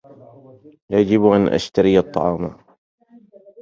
يجب أن أشتري الطعام.